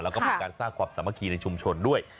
แล้วก็มากับการสร้างความสามารถขี้ในชุมชนด้วย